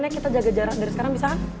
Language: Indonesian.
sebaiknya kita jaga jarak dari sekarang bisa kan